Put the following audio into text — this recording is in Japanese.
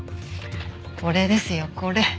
これですよこれ。